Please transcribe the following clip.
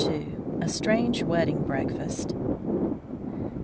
A STRANGE WEDDING BREAKFAST.